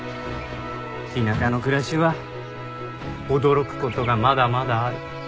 田舎の暮らしは驚く事がまだまだある。